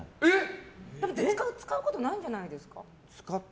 使うことないんじゃないですか。